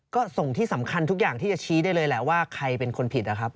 ก็ส่งที่สำคัญทุกอย่างที่จะชี้ได้เลยแหละว่าใครเป็นคนผิดนะครับ